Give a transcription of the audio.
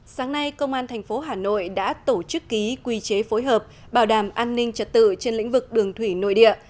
sáng nay công an tp hà nội đã tổ chức ký quy chế phối hợp bảo đảm an ninh trật tự trên lĩnh vực đường thủy nội địa